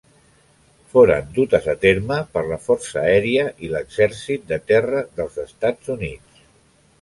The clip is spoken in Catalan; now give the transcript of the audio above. Foren dutes a terme per la força aèria i l'exèrcit de terra dels Estats Units.